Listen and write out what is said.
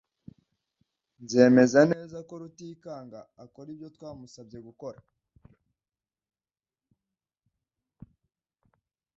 Nzemeza neza ko Rutikanga akora ibyo twamusabye gukora.